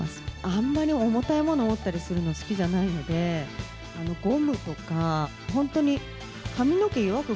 あんまり重たいもの持ったりするの、好きじゃないので、ゴムとか、本当に髪の毛結わく